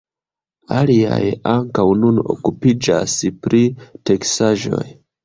Aliaj ankaŭ nun okupiĝas pri teksaĵoj.